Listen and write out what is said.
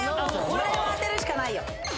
これは当てるしかないよ